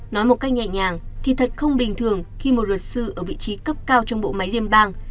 nói một cách nhẹ nhàng thì thật không bình thường khi một luật sư ở vị trí cấp cao trong bộ máy liên bang